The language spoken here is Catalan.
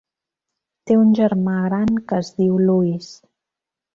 Té un germà gran que es diu Lewis.